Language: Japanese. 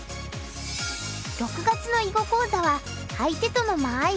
６月の囲碁講座は相手との間合いがテーマ。